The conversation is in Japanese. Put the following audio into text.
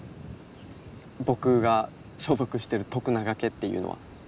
僕が所属してる徳永家っていうのは。